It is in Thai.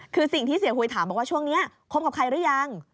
คือสิ่งที่เสียหุยถามบอกว่าช่วงนี้คบกับใครหรือยัง